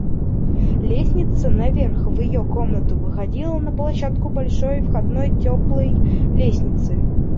Лестница наверх в ее комнату выходила на площадку большой входной теплой лестницы.